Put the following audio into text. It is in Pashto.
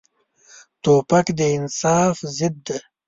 توپک د انصاف ضد دی.